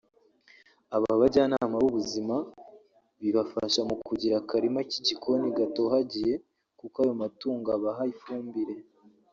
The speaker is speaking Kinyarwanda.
Aba bajyanama b’ubuzima bibafasha mu kugira akarima k’igikoni gatohagiye kuko ayo matungo abaha ifumbire